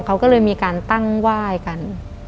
เขาก็เลยมีการตั้งไหว้กัน